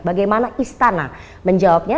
bagaimana istana menjawabnya